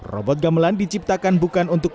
robot gamelan diciptakan bukan untuk